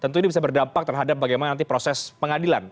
tentu ini bisa berdampak terhadap bagaimana nanti proses pengadilan